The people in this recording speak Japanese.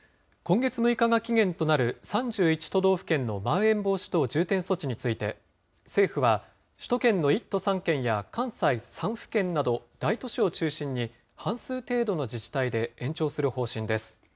今月６日が期限となる３１都道府県のまん延防止等重点措置について、政府は、首都圏の１都３県や、関西３府県など、大都市を中心に半数程度の自治体で延長する方針です。